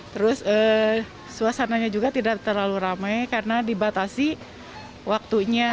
terus suasananya juga tidak terlalu ramai karena dibatasi waktunya